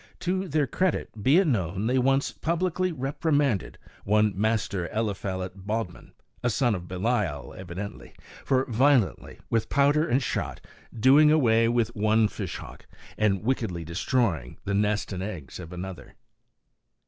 To their credit, be it known, they once "publikly reeprimanded" one Master Eliphalet Bodman, a son of Belial evidently, for violently, with powder and shot, doing away with one fishhawk, and wickedly destroying the nest and eggs of another.